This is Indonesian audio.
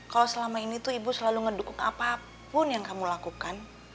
kalau selama ini tuh ibu selalu ngedukung apapun yang kamu lakukan